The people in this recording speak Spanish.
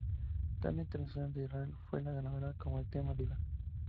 Dana International, de Israel, fue la ganadora con el tema ""Diva"".